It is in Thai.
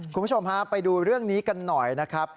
คุณผู้ชมฮะไปดูเรื่องนี้กันหน่อยนะครับ